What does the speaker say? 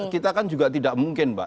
kita kan juga tidak mungkin mbak